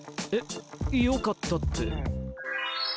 えよかったって。